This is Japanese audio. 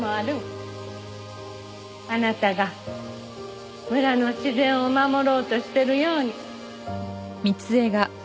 あなたが村の自然を守ろうとしてるように。